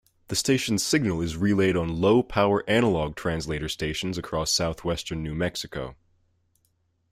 The station's signal is relayed on low-power analog translator stations across southwestern New Mexico.